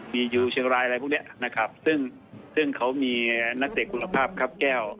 มีอยู่เชียงรายอะไรพวกนี้นะครับซึ่งซึ่งเขามีนักเตะคุณภาพครับแก้ว